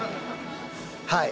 はい。